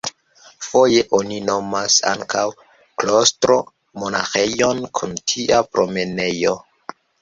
Foje oni nomas ankaŭ "klostro" monaĥejon kun tia promenejo.